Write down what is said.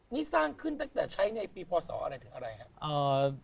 นี่สร้างขึ้นตั้งแต่ใช้ในปีพศอะไรถึงอะไรครับ